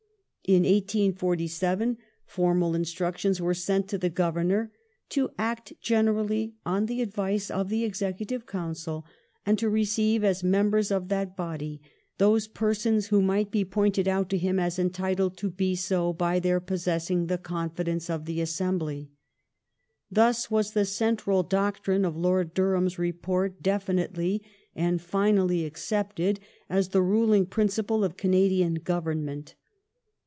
In 1847 formal instructions were sent to the Governor to act generally on the advice of the Executive Council, and to receive as members of that body those pei sons who might be pointed out to him as entitled to be so by their possessing the confidence of the Assembly". Thus was the central doctrine of Lord Durham's Report definitely and finally accepted as the ruling principle of Canadian Government.